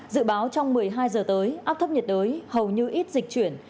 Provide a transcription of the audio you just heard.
dự báo trong một mươi hai giờ tới áp thấp nhiệt đới hầu như ít dịch chuyển